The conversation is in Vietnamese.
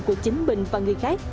của chính mình và người khác